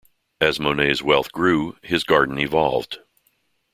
As Monet's wealth grew, his garden evolved.